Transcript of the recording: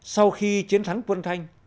sau khi chiến thắng quân thanh